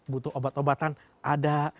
butuh obat obatan ada